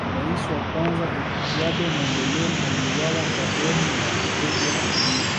Rais wa kwanza Eduardo Mondlane aliuawa kwa bomu la kutegwa ardhini